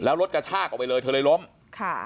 แล้วรถกระชากออกไปเลยเธอเลยล้มค่ะ